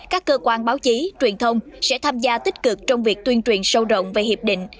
các cơ quan báo chí truyền thông sẽ tham gia tích cực trong việc tuyên truyền sâu rộng về hiệp định